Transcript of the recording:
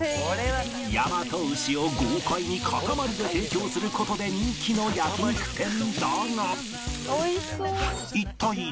大和牛を豪快に塊で提供する事で人気の焼肉店だが。